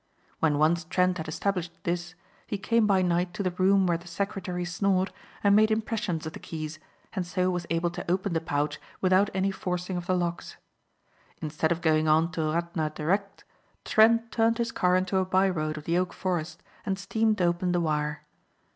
When once Trent had established this he came by night to the room where the secretary snored and made impressions of the keys and so was able to open the pouch without any forcing of the locks. Instead of going on to Radna direct Trent turned his car into a byroad of the oak forest and steamed open the wire.